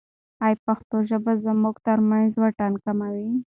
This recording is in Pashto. ایا پښتو ژبه زموږ ترمنځ واټن کموي؟